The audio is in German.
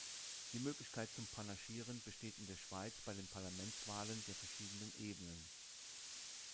Die Möglichkeit zum Panaschieren besteht in der Schweiz bei den Parlamentswahlen der verschiedenen Ebenen.